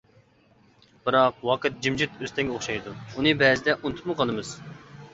بىراق ۋاقىت جىمجىت ئۆستەڭگە ئوخشايدۇ، ئۇنى بەزىدە ئۇنتۇپمۇ قالىمىز.